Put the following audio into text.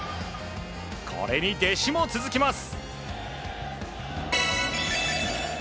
これに弟子も続きます。